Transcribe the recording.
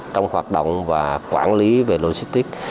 trong hoạt động và quản lý về logistics